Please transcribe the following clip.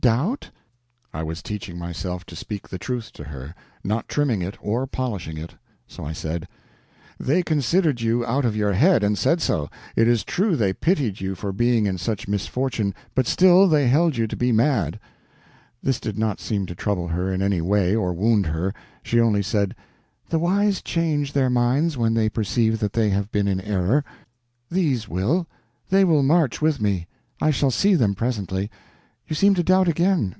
Doubt?" I was teaching myself to speak the truth to her, not trimming it or polishing it; so I said: "They considered you out of your head, and said so. It is true they pitied you for being in such misfortune, but still they held you to be mad." This did not seem to trouble her in any way or wound her. She only said: "The wise change their minds when they perceive that they have been in error. These will. They will march with me. I shall see them presently.. .. You seem to doubt again?